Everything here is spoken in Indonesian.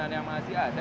bangunan yang masih ada